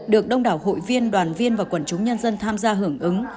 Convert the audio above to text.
được đông đảo hội viên đoàn viên và quần chúng nhân dân tham gia hưởng ứng